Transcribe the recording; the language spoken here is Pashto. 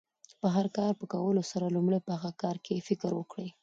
د هر کار په کولو سره، لومړی په هغه کار کښي فکر وکړئ!